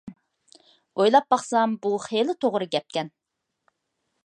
ئويلاپ باقسام بۇ خېلى توغرا گەپكەن.